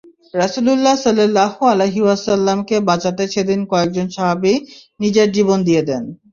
রাসূল সাল্লাল্লাহু আলাইহি ওয়াসাল্লাম-কে বাঁচাতে সেদিন কয়েকজন সাহাবী নিজের জীবন দিয়ে দেন।